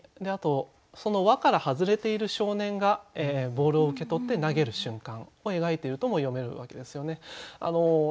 あとその輪から外れている少年がボールを受け取って投げる瞬間を描いているとも読めるわけですよね。